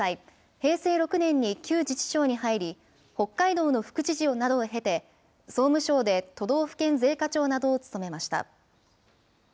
平成６年に旧自治省に入り、北海道の副知事などを経て、総務省で都道府県税課長などを務めました。